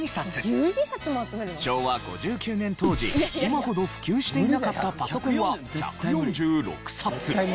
昭和５９年当時今ほど普及していなかったパソコンは１４６冊。